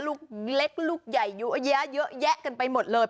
ลูกเล็กลูกใหญ่เยอะแยะเยอะแยะกันไปหมดเลย